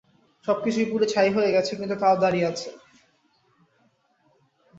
সবকিছু পুড়ে ছাই হয়ে গেছে কিন্তু তাও দাঁড়িয়ে আছে।